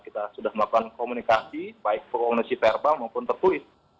kita sudah melakukan komunikasi baik koordinasi verbal maupun tertulis